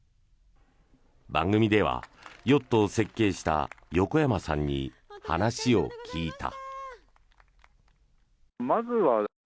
番組ではヨットを設計した横山さんに話を聞いた。